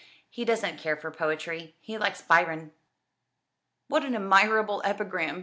"He doesn't care for poetry. He likes Byron." "What an admirable epigram!"